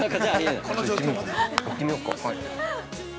◆行ってみようか。